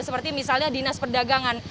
seperti misalnya dinas perdagangan